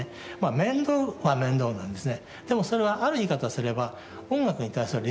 面倒は面倒なんですね。